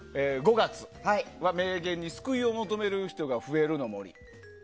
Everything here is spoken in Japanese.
５月は名言に救いを求める人が増えるの森。